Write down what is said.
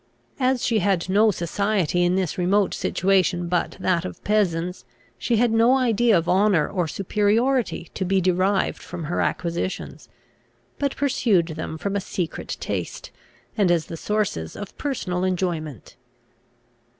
As she had no society in this remote situation but that of peasants, she had no idea of honour or superiority to be derived from her acquisitions; but pursued them from a secret taste, and as the sources of personal enjoyment.